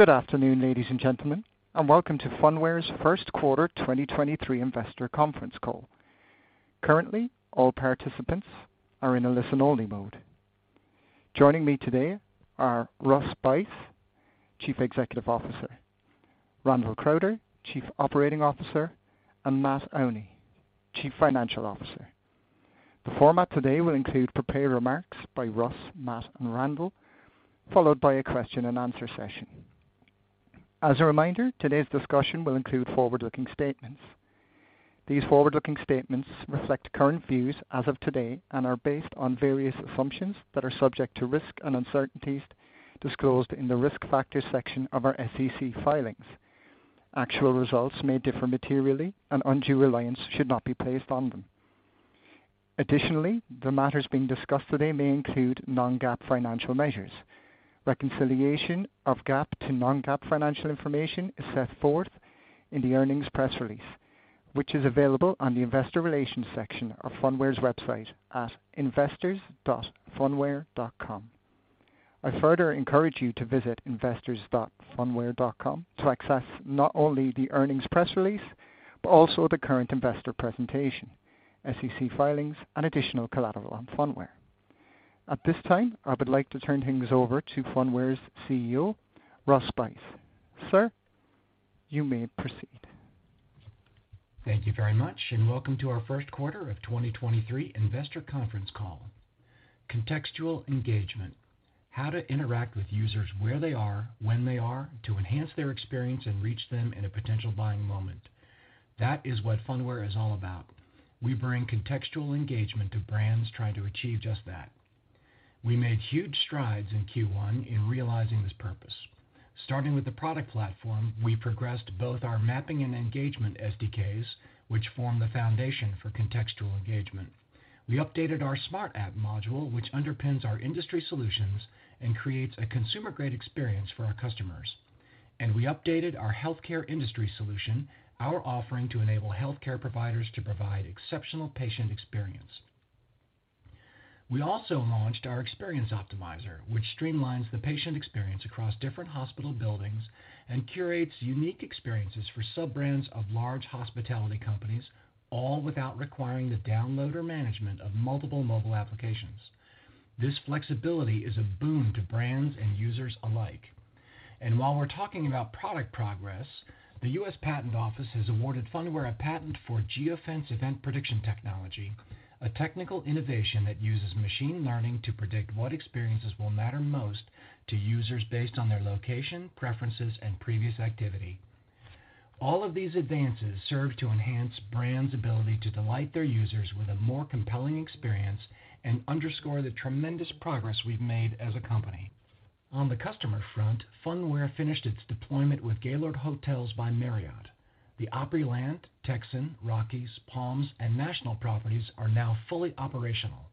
Good afternoon, ladies and gentlemen, welcome to Phunware's Q1 2023 Investor Conference Call. Currently, all participants are in a listen-only mode. Joining me today are Russ Buyse, Chief Executive Officer, Randall Crowder, Chief Operating Officer, and Matt Aune, Chief Financial Officer. The format today will include prepared remarks by Russ, Matt, and Randall, followed by a question and answer session. As a reminder, today's discussion will include forward-looking statements. These forward-looking statements reflect current views as of today and are based on various assumptions that are subject to risks and uncertainties disclosed in the Risk Factors section of our SEC filings. Actual results may differ materially, and undue reliance should not be placed on them. Additionally, the matters being discussed today may include non-GAAP financial measures. Reconciliation of GAAP to non-GAAP financial information is set forth in the earnings press release, which is available on the investor relations section of Phunware's website at investors.phunware.com. I further encourage you to visit investors.phunware.com to access not only the earnings press release, but also the current investor presentation, SEC filings, and additional collateral on Phunware. At this time, I would like to turn things over to Phunware's CEO, Russ Buyse. Sir, you may proceed. Thank you very much, welcome to our Q1 2023 Investor Conference Call. Contextual engagement, how to interact with users where they are, when they are, to enhance their experience and reach them in a potential buying moment. That is what Phunware is all about. We bring contextual engagement to brands trying to achieve just that. We made huge strides in Q1 in realizing this purpose. Starting with the product platform, we progressed both our mapping and engagement SDKs, which form the foundation for contextual engagement. We updated our smart app module, which underpins our industry solutions and creates a consumer-grade experience for our customers. We updated our healthcare industry solution, our offering to enable healthcare providers to provide exceptional patient experience. We also launched our Experience Optimizer, which streamlines the patient experience across different hospital buildings and curates unique experiences for sub-brands of large hospitality companies, all without requiring the download or management of multiple mobile applications. This flexibility is a boon to brands and users alike. While we're talking about product progress, the US Patent Office has awarded Phunware a patent for geofence event prediction technology, a technical innovation that uses machine learning to predict what experiences will matter most to users based on their location, preferences, and previous activity. All of these advances serve to enhance brands' ability to delight their users with a more compelling experience and underscore the tremendous progress we've made as a company. On the customer front, Phunware finished its deployment with Gaylord Hotels by Marriott. The Opryland, Texan, Rockies, Palms, and National properties are now fully operational.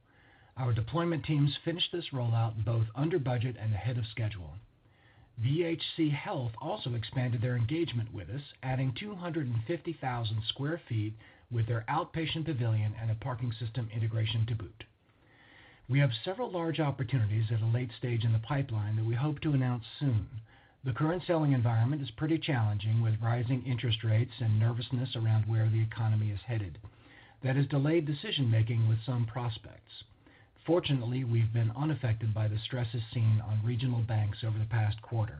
Our deployment teams finished this rollout both under budget and ahead of schedule. VHC Health also expanded its engagement with us, adding 250,000 sq ft with its outpatient pavilion and a parking system integration to boot. We have several large opportunities at a late stage in the pipeline that we hope to announce soon. The current selling environment is pretty challenging with rising interest rates and nervousness around where the economy is headed. That has delayed decision-making with some prospects. Fortunately, we've been unaffected by the stresses seen on regional banks over the past quarter.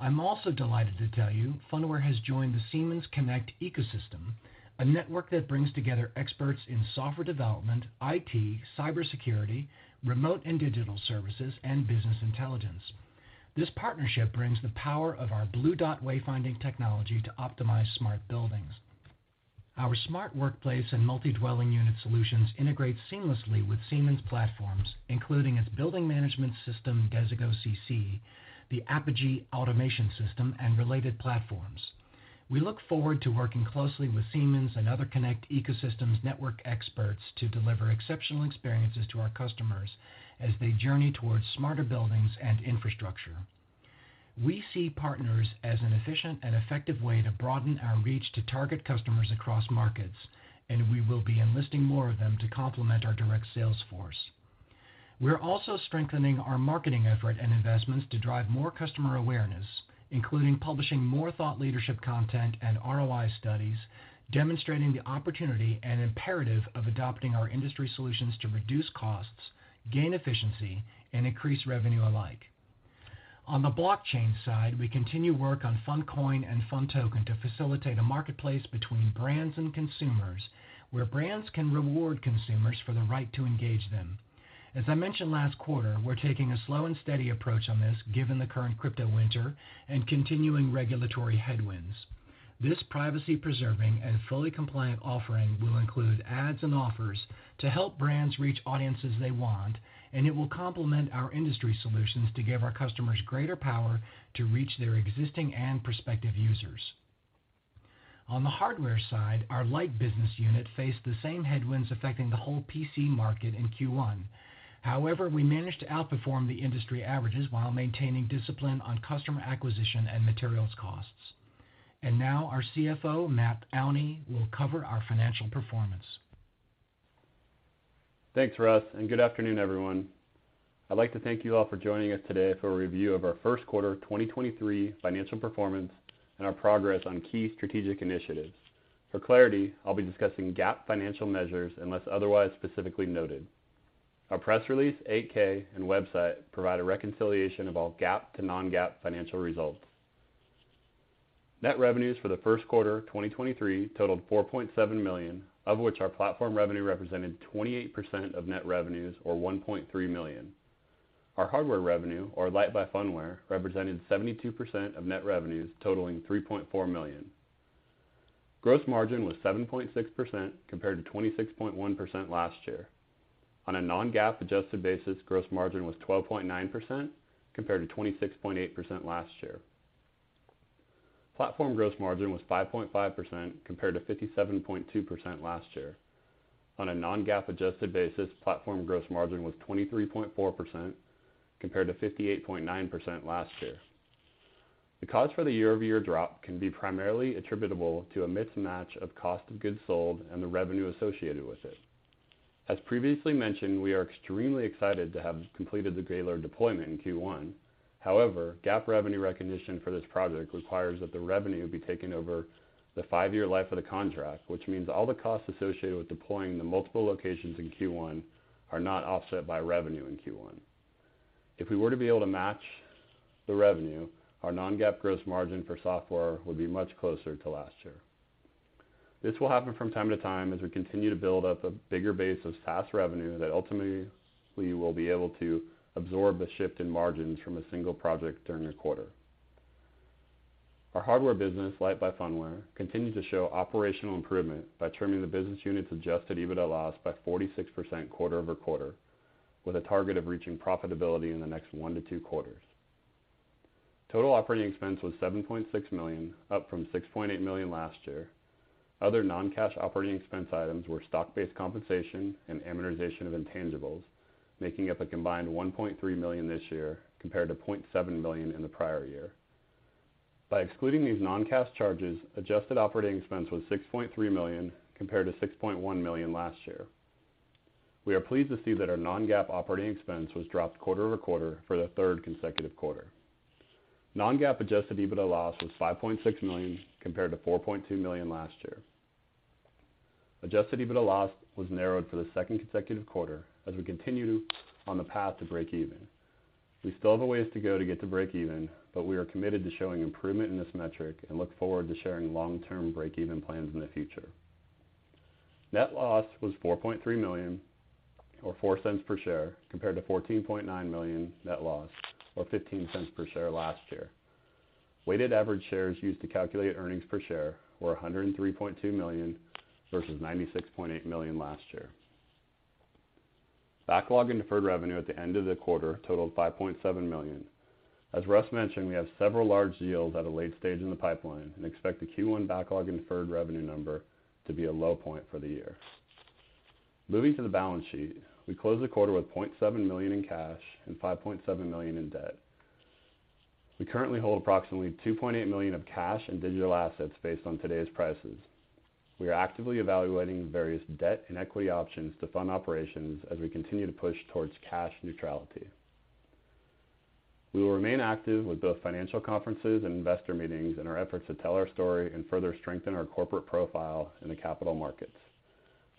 I'm also delighted to tell you Phunware has joined the Siemens Connect ecosystem, a network that brings together experts in software development, IT, cybersecurity, remote and digital services, and business intelligence. This partnership brings the power of our blue dot wayfinding technology to optimize smart buildings. Our smart workplace and multi-dwelling unit solutions integrate seamlessly with Siemens platforms, including its building management system, Desigo CC, the Apogee automation system, and related platforms. We look forward to working closely with Siemens and other Connect ecosystems network experts to deliver exceptional experiences to our customers as they journey towards smarter buildings and infrastructure. We see partners as an efficient and effective way to broaden our reach to target customers across markets, and we will be enlisting more of them to complement our direct sales force. We're also strengthening our marketing efforts and investments to drive more customer awareness, including publishing more thought leadership content and ROI studies, demonstrating the opportunity and imperative of adopting our industry solutions to reduce costs, gain efficiency, and increase revenue alike. On the blockchain side, we continue work on PhunCoin and PhunToken to facilitate a marketplace between brands and consumers, where brands can reward consumers for the right to engage them. As I mentioned last quarter, we're taking a slow and steady approach on this, given the current crypto winter and continuing regulatory headwinds. This privacy-preserving and fully compliant offering will include ads and offers to help brands reach audiences they want. It will complement our industry solutions to give our customers greater power to reach their existing and prospective users. On the hardware side, our Lyte business unit faced the same headwinds affecting the whole PC market in Q1. However, we managed to outperform the industry averages while maintaining discipline on customer acquisition and materials costs. Now our CFO, Matt Aune, will cover our financial performance. Thanks, Russ, and good afternoon, everyone. I'd like to thank you all for joining us today for a review of our Q1 2023 financial performance and our progress on key strategic initiatives. For clarity, I'll be discussing GAAP financial measures unless otherwise specifically noted. Our press release, 8-K, and website provide a reconciliation of all GAAP to non-GAAP financial results. Net revenues for Q1 2023 totaled $4.7 million, of which our platform revenue represented 28% of net revenues or $1.3 million. Our hardware revenue, or Lyte by Phunware represented 72% of net revenues totaling $3.4 million. Gross margin was 7.6% compared to 26.1% last year. On a non-GAAP adjusted basis, gross margin was 12.9% compared to 26.8% last year. Platform gross margin was 5.5% compared to 57.2% last year. On a non-GAAP adjusted basis, platform gross margin was 23.4% compared to 58.9% last year. The cause for the year-over-year drop can be primarily attributable to a mismatch of cost of goods sold and the revenue associated with it. As previously mentioned, we are extremely excited to have completed the Gaylord deployment in Q1. GAAP revenue recognition for this project requires that the revenue be taken over the five-year life of the contract, which means all the costs associated with deploying the multiple locations in Q1 are not offset by revenue in Q1. If we were to be able to match the revenue, our non-GAAP gross margin for software would be much closer to last year. This will happen from time to time as we continue to build up a bigger base of SaaS revenue thso at ultimately we will be able to absorb the shift in margins from a single project during a quarter. Our hardware business, Lyte by Phunware, continues to show operational improvement by trimming the business unit's adjusted EBITDA loss by 46% quarter-over-quarter, with a target of reaching profitability in the next one to two quarters. Total operating expense was $7.6 million, up from $6.8 million last year. Other non-cash operating expense items were stock-based compensation and amortization of intangibles, making up a combined $1.3 million this year compared to $0.7 million in the prior year. By excluding these non-cash charges, adjusted operating expense was $6.3 million compared to $6.1 million last year. We are pleased to see that our non-GAAP operating expense has dropped quarter-over-quarter for the third consecutive quarter. Non-GAAP adjusted EBITDA loss was $5.6 million compared to $4.2 million last year. Adjusted EBITDA loss was narrowed for the second consecutive quarter as we continue to be on the path to break even. We still have a ways to go to get to break even, but we are committed to showing improvement in this metric and look forward to sharing long-term break-even plans in the future. Net loss was $4.3 million or $0.04 per share, compared to a $14.9 million net loss or $0.15 per share last year. Weighted average shares used to calculate earnings per share were 103.2 million versus 96.8 million last year. Backlog and deferred revenue at the end of the quarter totaled $5.7 million. As Russ mentioned, we have several large deals at a late stage in the pipeline and expect the Q1 backlog and deferred revenue numbers to be a low point for the year. Moving to the balance sheet, we closed the quarter with $0.7 million in cash and $5.7 million in debt. We currently hold approximately $2.8 million of cash and digital assets based on today's prices. We are actively evaluating various debt and equity options to fund operations as we continue to push towards cash neutrality. We will remain active with both financial conferences and investor meetings in our efforts to tell our story and further strengthen our corporate profile in the capital markets.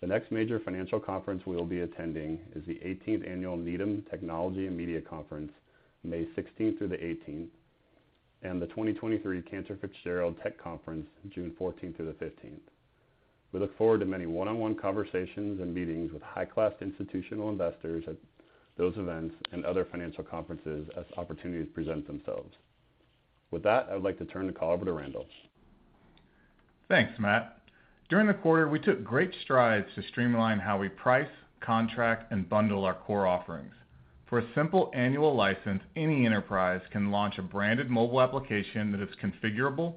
The next major financial conference we will be attending is the 18th Annual Needham Technology & Media Conference, May 16th through the 18th, and the 2023 Cantor Fitzgerald Tech Conference, June 14th through the 15th. We look forward to many one-on-one conversations and meetings with high-class institutional investors at those events and other financial conferences as opportunities present themselves. With that, I would like to turn the call over to Randall. Thanks, Matt. During the quarter, we took great strides to streamline how we price, contract, and bundle our core offerings. For a simple annual license, any enterprise can launch a branded mobile application that is configurable,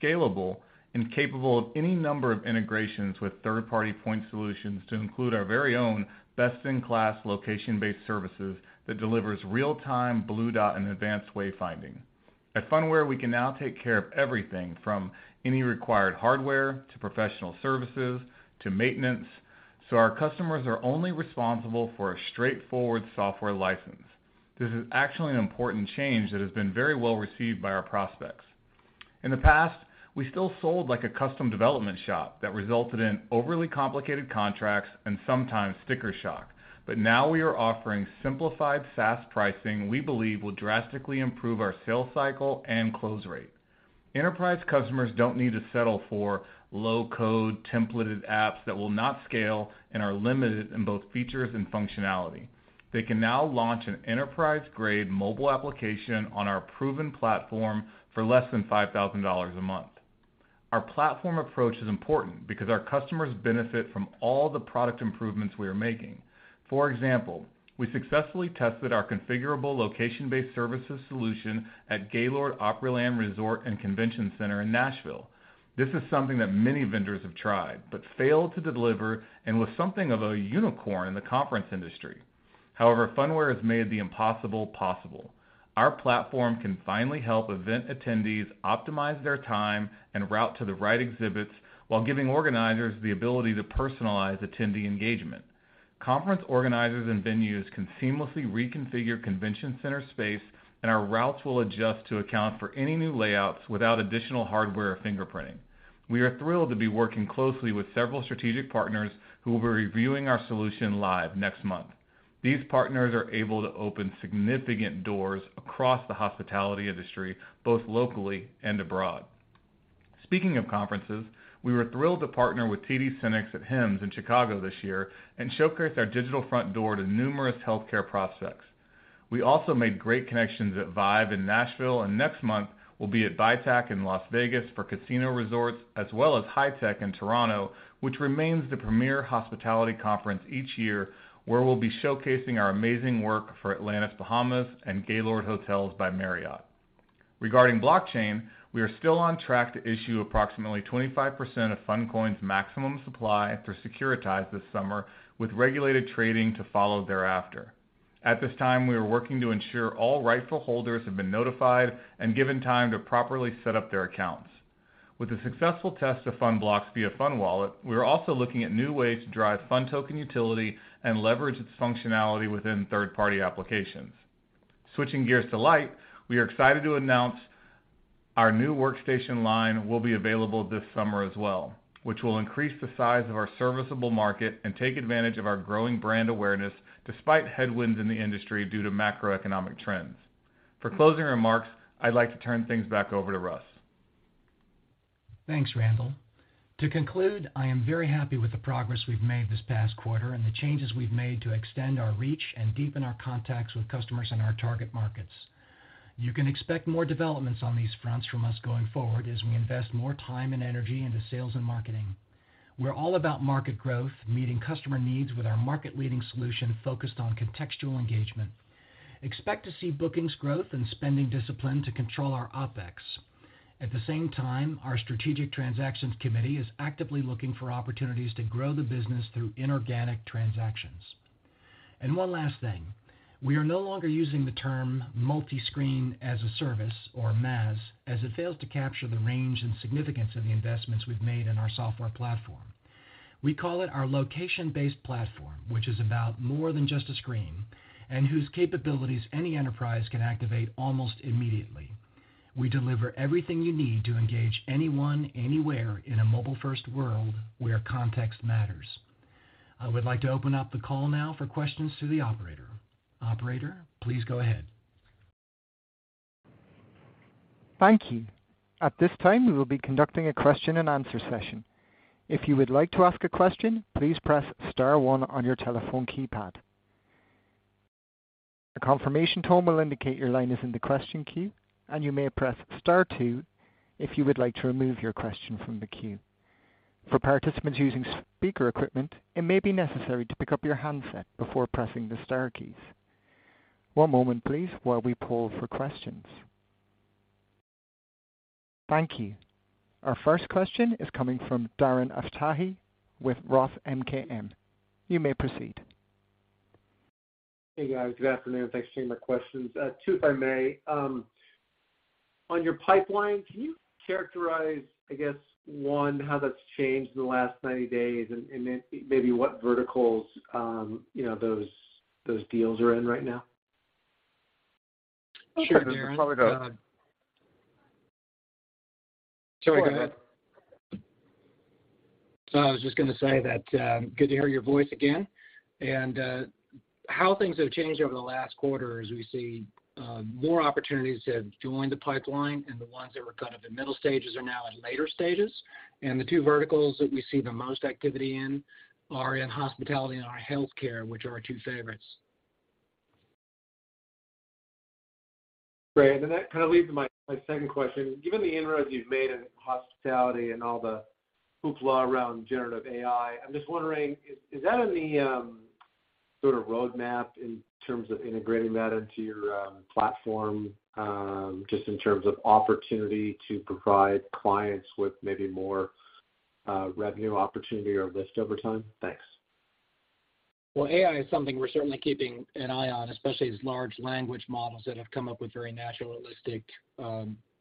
scalable, and capable of any number of integrations with third-party point solutions, including our very own best-in-class Location Based Services that deliver real-time blue dot and advanced wayfinding. At Phunware, we can now take care of everything from any required hardware to professional services to maintenance, so our customers are only responsible for a straightforward software license. This is actually an important change that has been very well received by our prospects. In the past, we still sold like a custom development shop, which resulted in overly complicated contracts and sometimes sticker shock. Now we are offering simplified SaaS pricing, which we believe will drastically improve our sales cycle and close rate. Enterprise customers don't need to settle for low-code templated apps that will not scale and are limited in both features and functionality. They can now launch an enterprise-grade mobile application on our proven platform for less than $5,000 a month. Our platform approach is important because our customers benefit from all the product improvements we are making. For example, we successfully tested our configurable Location-Based Services solution at Gaylord Opryland Resort & Convention Center in Nashville. This is something that many vendors have tried but failed to deliver, and was something of a unicorn in the conference industry. However, Phunware has made the impossible possible. Our platform can finally help event attendees optimize their time and route to the right exhibits while giving organizers the ability to personalize attendee engagement. Conference organizers and venues can seamlessly reconfigure convention center space, and our routes will adjust to account for any new layouts without additional hardware or fingerprinting. We are thrilled to be working closely with several strategic partners who will be reviewing our solution live next month. These partners are able to open significant doors across the hospitality industry, both locally and abroad. Speaking of conferences, we were thrilled to partner with TD SYNNEX at HIMSS in Chicago this year and showcase our digital front door to numerous healthcare prospects. We also made great connections at ViVE in Nashville, and next month we'll be at Vitac in Las Vegas for casino resorts as well as HITEC in Toronto, which remains the premier hospitality conference each year, where we'll be showcasing our amazing work for Atlantis Bahamas and Gaylord Hotels by Marriott. Regarding blockchain, we are still on track to issue approximately 25% of PhunCoin's maximum supply through Securitize this summer, with regulated trading to follow thereafter. At this time, we are working to ensure all rightful holders have been notified and given time to properly set up their accounts. With the successful test of PhunBlocks via PhunWallet, we are also looking at new ways to drive PhunToken utility and leverage its functionality within third-party applications. Switching gears to Lyte, we are excited to announce our new workstation line will be available this summer as well, which will increase the size of our serviceable market and take advantage of our growing brand awareness despite headwinds in the industry due to macroeconomic trends. For closing remarks, I'd like to turn things back over to Russ. Thanks, Randall. To conclude, I am very happy with the progress we've made this past quarter and the changes we've made to extend our reach and deepen our contacts with customers in our target markets. You can expect more developments on these fronts from us going forward as we invest more time and energy into sales and marketing. We're all about market growth, meeting customer needs with our market-leading solution focused on contextual engagement. Expect to see bookings growth and spending discipline to control our OpEx. At the same time, our strategic transactions committee is actively looking for opportunities to grow the business through inorganic transactions. One last thing, we are no longer using the term Multiscreen-as-a-Service or MaaS, as it fails to capture the range and significance of the investments we've made in our software platform. We call it our location-based platform, which is about more than just a screen, and whose capabilities any enterprise can activate almost immediately. We deliver everything you need to engage anyone, anywhere in a mobile-first world where context matters. I would like to open up the call now for questions to the operator. Operator, please go ahead. Thank you. At this time, we will be conducting a Q&A session. If you would like to ask a question, please press star one on your telephone keypad. A confirmation tone will indicate your line is in the question queue, and you may press star two if you would like to remove your question from the queue. For participants using speaker equipment, it may be necessary to pick up your handset before pressing the star keys. One moment, please, while we poll for questions. Thank you. Our first question is coming from Darren Aftahi with ROTH MKM. You may proceed. Hey, guys. Good afternoon. Thanks for taking my questions. Two, if I may. On your pipeline, can you characterize, I guess, one, how that's changed in the last 90 days and then maybe what verticals, you know, those deals are in right now? Sure, Darren. Sorry, go ahead. Sorry, go ahead. Go ahead. I was just gonna say that, good to hear your voice again. How things have changed over the last quarter is that we see more opportunities to join the pipeline, and the ones that were kind of in the middle stages are now in later stages. The two verticals that we see the most activity in are hospitality and healthcare, which are our two favorites. Great. That kind of leads to my second question. Given the inroads you've made in hospitality and all the hoopla around generative AI, I'm just wondering, is that in the sort of roadmap in terms of integrating that into your platform, just in terms of opportunity to provide clients with maybe more revenue opportunity or lift over time? Thanks. Well, AI is something we're certainly keeping an eye on, especially these large language models that have come up with very naturalistic,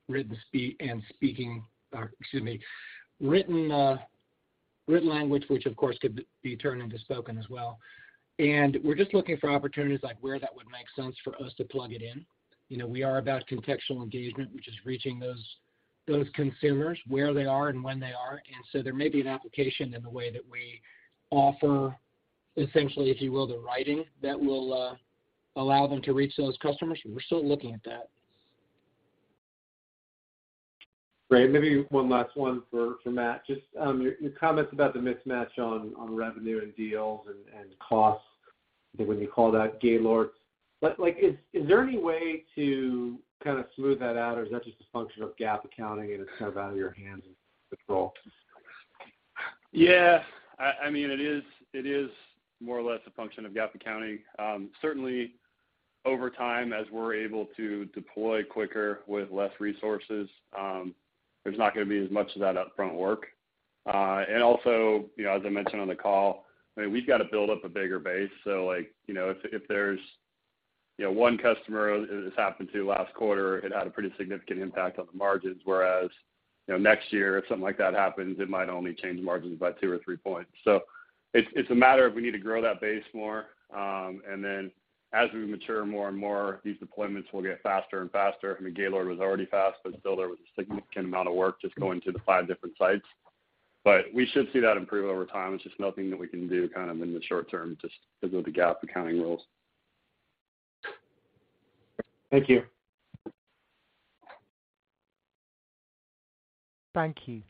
written and speaking or excuse me, written language, which of course could be turned into spoken as well. We're just looking for opportunities, like where that would make sense for us to plug it in. You know, we are about contextual engagement, which is reaching those consumers where they are and when they are. There may be an application in the way that we offer, essentially, if you will, the writing that will allow them to reach those customers, and we're still looking at that. Great. Maybe one last one for Matt. Just your comments about the mismatch on revenue and deals and costs, I think when you call that Gaylord. Like, is there any way to kind of smooth that out, or is that just a function of GAAP accounting and it's kind of out of your hands and control? Yeah. I mean, it is more or less a function of GAAP accounting. Over time, as we're able to deploy quicker with fewer resources, there's not gonna be as much of that upfront work. You know, as I mentioned on the call, I mean, we've got to build up a bigger base. You know, if there's, you know, one customer this happened to last quarter, it had a pretty significant impact on the margins. Whereas, you know, next year, if something like that happens, it might only change margins by two or three points. It's, it's a matter of we need to grow that base more. As we mature more and more, these deployments will get faster and faster. I mean, Gaylord was already fast, but still, there was a significant amount of work just going to the five different sites. We should see that improve over time. It's just nothing that we can do kind of in the short term, just because of the GAAP accounting rules. Thank you. Thank you.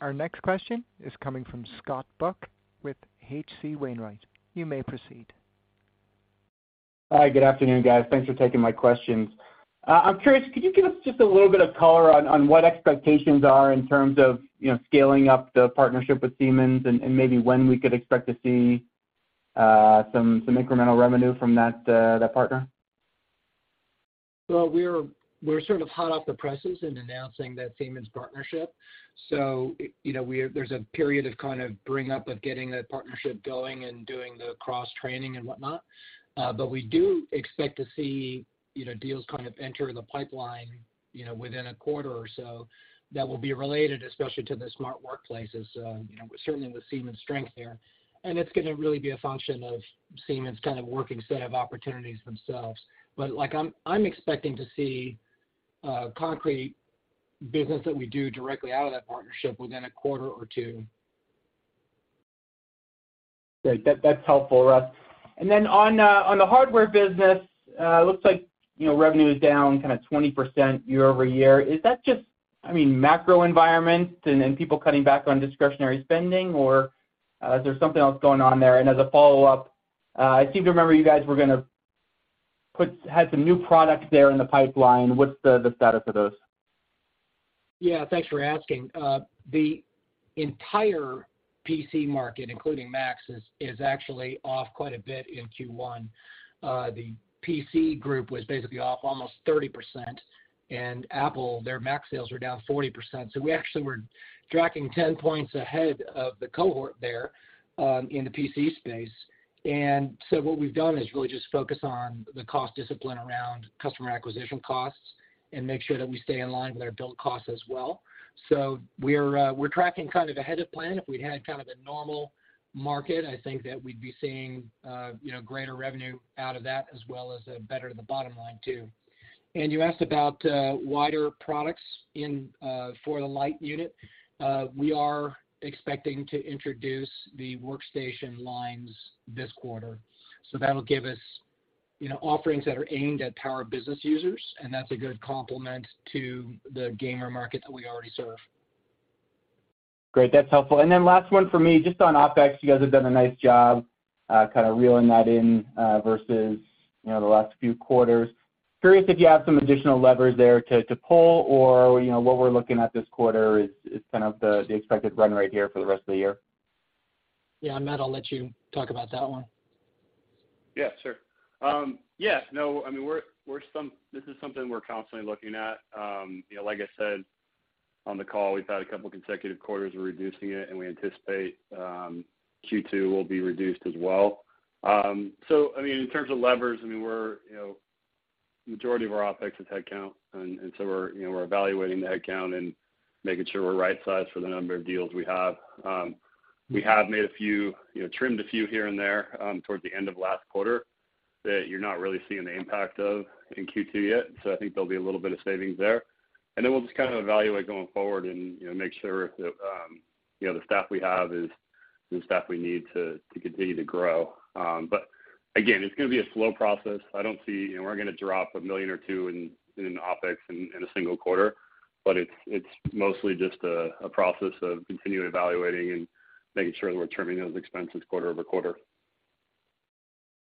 Our next question is coming from Scott Buck with H.C. Wainwright. You may proceed. Hi, good afternoon, guys. Thanks for taking my questions. I'm curious, could you give us just a little bit of color on what expectations are in terms of, you know, scaling up the partnership with Siemens and maybe when we could expect to see some incremental revenue from that partner? We're sort of hot off the presses in announcing that Siemens partnership. You know, there's a period of kind of bring up of getting that partnership going and doing the cross-training and whatnot. But we do expect to see, you know, deals kind of enter the pipeline, you know, within a quarter or so that will be related especially to the smart workplaces, you know, certainly the Siemens strength there. It's gonna really be a function of Siemens kind of working set of opportunities themselves. Like I'm expecting to see concrete business that we do directly out of that partnership within a quarter or two. Great. That's helpful, Russ. Then on the hardware business, looks like, you know, revenue is down kind of 20% year-over-year. Is that just, I mean, macro environment and people cutting back on discretionary spending, or is there something else going on there? As a follow-up, I seem to remember you guys had some new products there in the pipeline. What's the status of those? Yeah, thanks for asking. The entire PC market, including Macs, is actually off quite a bit in Q1. The PC group was basically off almost 30%. Apple, their Mac sales are down 40%. We actually were tracking 10 points ahead of the cohort there in the PC space. What we've done is really just focus on the cost discipline around customer acquisition costs and make sure that we stay in line with our build costs as well. We're tracking kind of ahead of plan. If we had kind of a normal market, I think that we'd be seeing, you know, greater revenue out of that, as well as a better the bottom line too. You asked about wider products in for the Lyte unit. We are expecting to introduce the workstation lines this quarter. That'll give us, you know, offerings that are aimed at power business users, and that's a good complement to the gamer market that we already serve. Great. That's helpful. Last one for me, just on OpEx, you guys have done a nice job, kind of reeling that in, versus, you know, the last few quarters. Curious if you have some additional levers there to pull or, you know, what we're looking at this quarter is kind of the expected run rate here for the rest of the year. Matt, I'll let you talk about that one. Yeah, sure. Yes. No, I mean, we're, this is something we're constantly looking at. You know, like I said on the call, we've had a couple of consecutive quarters of reducing it, and we anticipate Q2 will be reduced as well. I mean, in terms of levers, I mean, we're, you know, majority of our OpEx is headcount, and so we're, you know, we're evaluating the headcount and making sure we're right size for the number of deals we have. We have made a few, you know, trimmed a few here and there, towards the end of last quarter that you're not really seeing the impact of in Q2 yet. I think there'll be a little bit of savings there. We'll just kind of evaluate going forward and, you know, make sure that, you know, the staff we have is the staff we need to continue to grow. Again, it's gonna be a slow process. I don't see, you know, we're gonna drop $1 million or $2 million in OpEx in a single quarter, but it's mostly just a process of continuing evaluating and making sure that we're trimming those expenses quarter-over-quarter.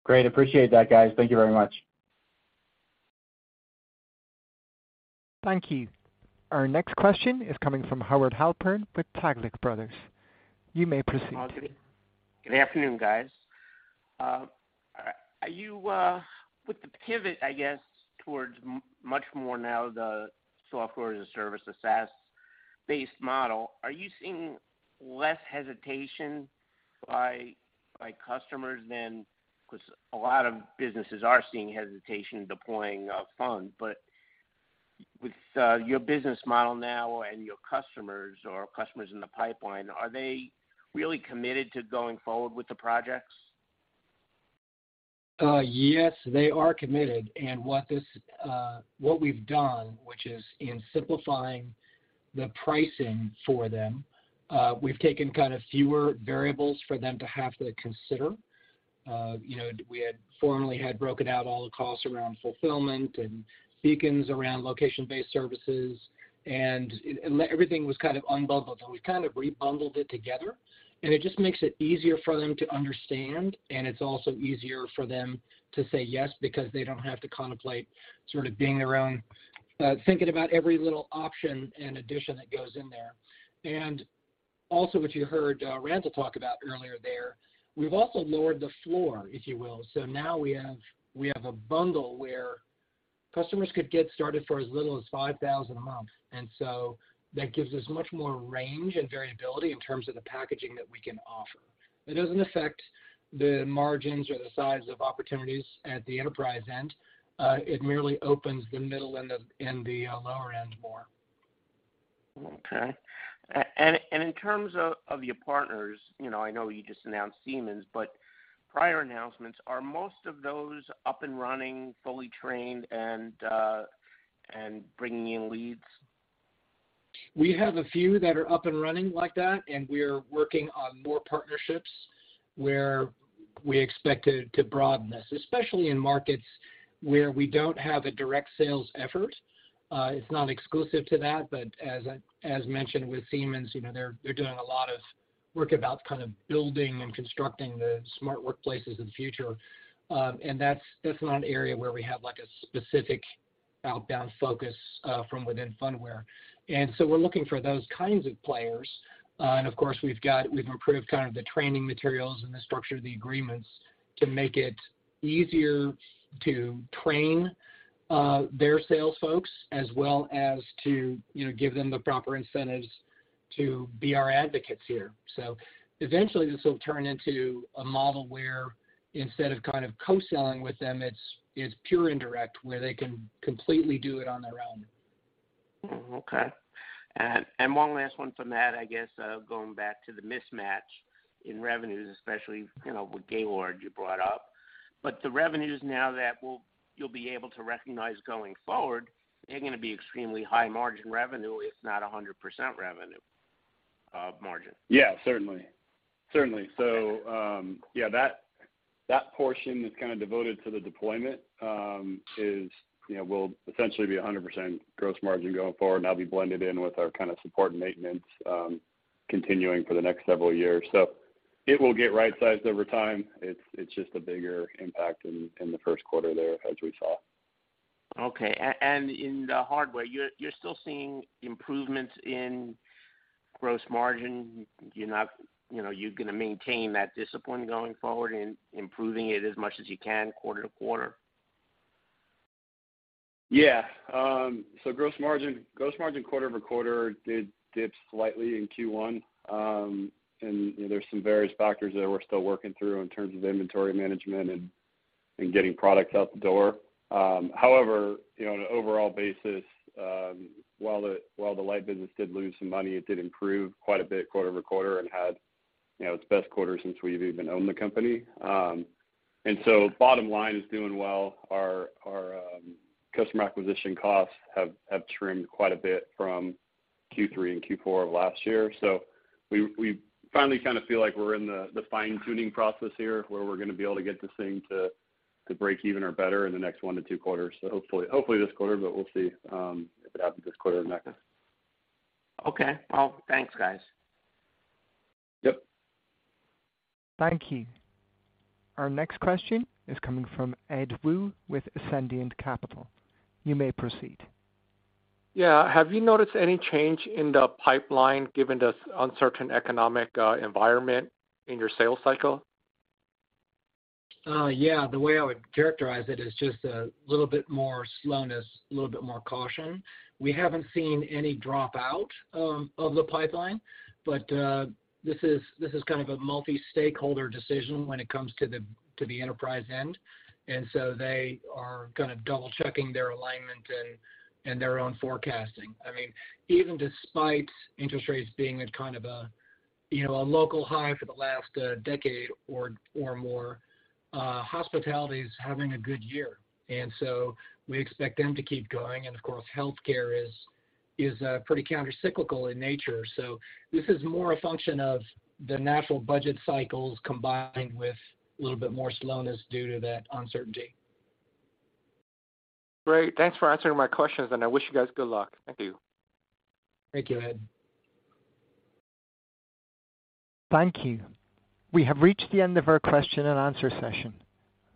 Great. Appreciate that, guys. Thank you very much. Thank you. Our next question is coming from Howard Halpern with Taglich Brothers. You may proceed. Good afternoon, guys. Are you with the pivot, I guess, towards much more now the software as a service, the SaaS-based model, are you seeing less hesitation by customers than? A lot of businesses are seeing hesitation deploying FUD. With your business model now and your customers or customers in the pipeline, are they really committed to going forward with the projects? Yes, they are committed, and what this, what we've done, which is in simplifying the pricing for them, we've taken kind of fewer variables for them to have to consider. You know, we had formerly had broken out all the costs around fulfillment and beacons around Location Based Services, and everything was kind of unbundled. We've kind of rebundled it together, and it just makes it easier for them to understand, and it's also easier for them to say yes, because they don't have to contemplate sort of doing their own, thinking about every little option and addition that goes in there. Also, which you heard, Randall talk about earlier there, we've also lowered the floor, if you will. Now we have a bundle where customers could get started for as little as $5,000 a month. That gives us much more range and variability in terms of the packaging that we can offer. It doesn't affect the margins or the size of opportunities at the enterprise end. It merely opens the middle and the, and the, lower end more. Okay. In terms of your partners, you know, I know you just announced Siemens, but prior announcements, are most of those up and running, fully trained and bringing in leads? We have a few that are up and running like that. We're working on more partnerships where we expect to broaden this, especially in markets where we don't have a direct sales effort. It's not exclusive to that, but as mentioned with Siemens, you know, they're doing a lot of work about kind of building and constructing the smart workplaces of the future. That's not an area where we have like a specific outbound focus from within Phunware. We're looking for those kinds of players. Of course, we've improved kind of the training materials and the structure of the agreements to make it easier to train their sales folks as well as to, you know, give them the proper incentives to be our advocates here. Eventually this will turn into a model where instead of kind of co-selling with them, it's pure indirect, where they can completely do it on their own. Okay. One last one from that, I guess, going back to the mismatch in revenues, especially, you know, with Gaylord you brought up. The revenues now that you'll be able to recognize going forward, they're gonna be extremely high margin revenue, if not a 100% revenue margin. Yeah. Certainly. Certainly. yeah, that portion that's kinda devoted to the deployment, is, you know, will essentially be 100% gross margin going forward, now be blended in with our kind of support and maintenance, continuing for the next several years. It will get right-sized over time. It's just a bigger impact in Q1 there as we saw. Okay. In the hardware, you're still seeing improvements in gross margin. You're not, you know, you're gonna maintain that discipline going forward and improving it as much as you can quarter to quarter. Yeah. gross margin quarter-over-quarter did dip slightly in Q1. You know, there's some various factors that we're still working through in terms of inventory management and getting products out the door. However, you know, on an overall basis, while the Lyte business did lose some money, it did improve quite a bit quarter-over-quarter and had, you know, its best quarter since we've even owned the company. Bottom line is doing well. Our customer acquisition costs have trimmed quite a bit from Q3 and Q4 of last year. We finally kinda feel like we're in the fine-tuning process here, where we're gonna be able to get this thing to break even or better in the next one to two quarters. Hopefully this quarter, but we'll see if it happens this quarter or next. Okay. Well, thanks, guys. Yep. Thank you. Our next question is coming from Ed Woo with Ascendiant Capital. You may proceed. Have you noticed any change in the pipeline given this uncertain economic environment in your sales cycle? Yeah. The way I would characterize it is just a little bit more slowness, a little bit more caution. We haven't seen any dropout of the pipeline, but this is kind of a multi-stakeholder decision when it comes to the, to the enterprise end. They are kinda double-checking their alignment and their own forecasting. I mean, even despite interest rates being at kind of a, you know, a local high for the last decade or more, hospitality is having a good year. We expect them to keep going. Of course, healthcare is pretty countercyclical in nature. This is more a function of the natural budget cycles combined with a little bit more slowness due to that uncertainty. Great. Thanks for answering my questions, and I wish you guys good luck. Thank you. Thank you, Ed. Thank you. We have reached the end of our question and answer session,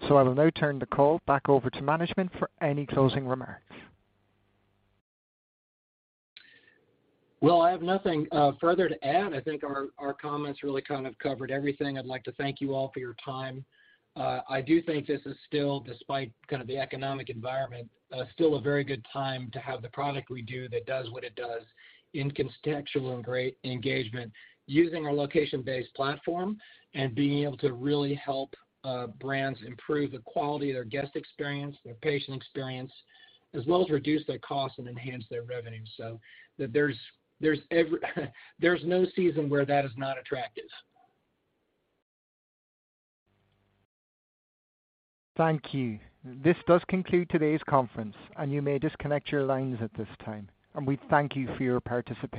so I will now turn the call back over to management for any closing remarks. Well, I have nothing further to add. I think our comments really kind of covered everything. I'd like to thank you all for your time. I do think this is still, despite kind of the economic environment, still a very good time to have the product we do that does what it does in contextual and great engagement, using our location-based platform and being able to really help brands improve the quality of their guest experience, their patient experience, as well as reduce their costs and enhance their revenue. There's no season where that is not attractive. Thank you. This does conclude today's conference, you may disconnect your lines at this time. We thank you for your participation.